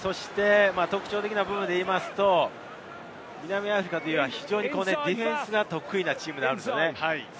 特徴的な部分でいうと、南アフリカは非常にディフェンスが得意なチームなんです。